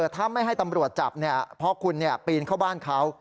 ถ้าไม่ให้ตำรวจจับเพราะคุณปีนเข้าบ้านเขา